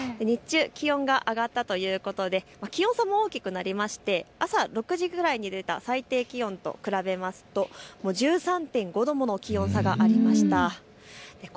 日中気温が上がったということで気温差も大きくなりまして朝６時ぐらいで出た最低気温と比べますと１３．５度の気温差がありました。